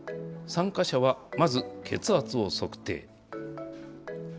参加者はまず、血圧を測定。